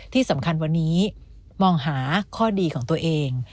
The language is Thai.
ที่สำคัญวันนี้มองหาข้อดีของตัวเอง